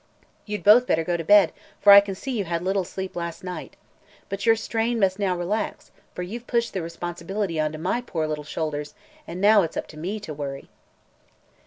You'd both better go to bed, for I can see you had little sleep last night. But your strain must now relax, for you've pushed the responsibility onto my poor little shoulders and now it's up to me to worry."